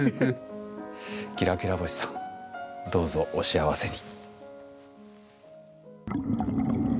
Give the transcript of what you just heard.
きらきらぼしさんどうぞお幸せに。